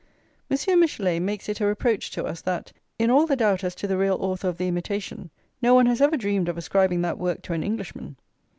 Monsieur Michelet makes it a reproach to us that, in all the doubt as to the real author of the Imitation, no one has ever dreamed of ascribing that work to an Englishman.